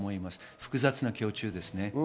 複雑な胸中です。